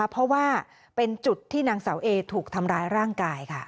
เพราะว่าเป็นจุดที่นางสาวเอถูกทำร้ายร่างกายค่ะ